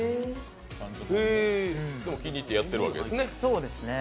へえ、でも気に入ってやってるわけですね。